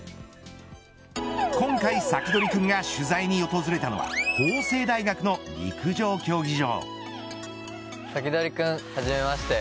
今回、サキドリくんが取材に訪れたのは法政大学の陸上競技場。